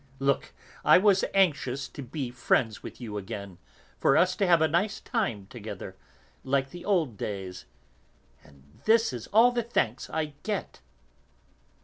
Look, I was anxious to be friends with you again, for us to have a nice time together, like the old days; and this is all the thanks I get!"